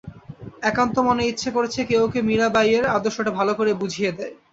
একান্ত মনে ইচ্ছা করেছে কেউ ওকে মীরাবাইএর আদর্শটা ভালো করে বুঝিয়ে দেয়।